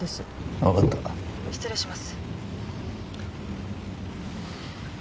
分かった☎失礼します